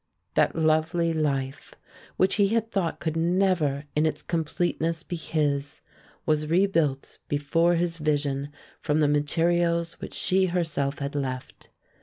That lovely life, which he had thought could never in its completeness be his, was rebuilt before his vision from the materials which she herself had left.